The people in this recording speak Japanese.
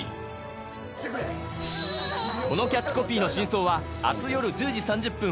このキャッチコピーの真相は明日夜１０時３０分